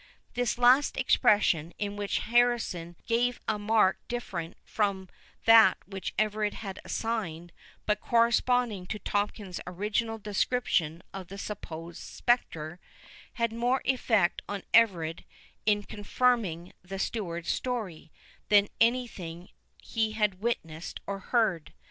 This last expression, in which Harrison gave a mark different from that which Everard had assigned, but corresponding to Tomkins's original description of the supposed spectre, had more effect on Everard in confirming the steward's story, than anything he had witnessed or heard.